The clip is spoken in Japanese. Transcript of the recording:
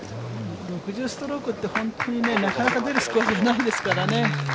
６０ストロークって、本当にね、なかなか出るスコアじゃないですからね。